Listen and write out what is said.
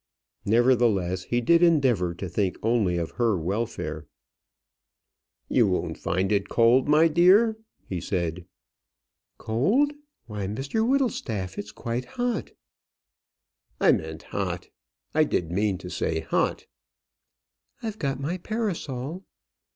Nevertheless he did endeavour to think only of her welfare. "You won't find it cold, my dear?" he said. "Cold! Why, Mr Whittlestaff, it's quite hot." "I meant hot. I did mean to say hot." "I've got my parasol."